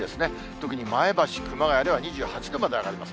特に前橋、熊谷では２８度まで上がります。